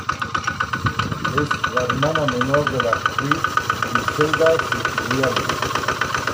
Es la hermana menor de la actriz Griselda Siciliani.